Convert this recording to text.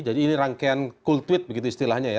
jadi ini rangkaian cool tweet begitu istilahnya ya